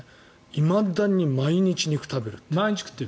いまだに毎日、肉食べるって。